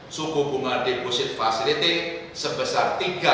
suku bunga deposit facility sebesar tiga tujuh puluh lima